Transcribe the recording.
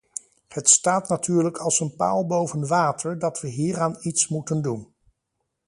Het staat natuurlijk als een paal boven water dat we hieraan iets moeten doen.